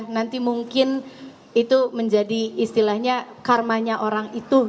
nanti mungkin itu menjadi istilahnya karmanya orang itu